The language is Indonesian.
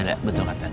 iya betul katanya